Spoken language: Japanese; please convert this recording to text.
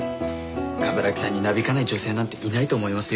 冠城さんになびかない女性なんていないと思いますよ。